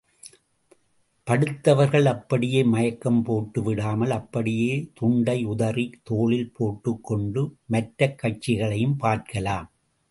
படுத்தவர்கள் அப்படியே மயக்கம் போட்டு விடாமல், அப்படியே துண்டை உதறித் தோளில் போட்டுக் கொண்டு மற்றக் காட்சிகளையும் பார்க்கலாம்.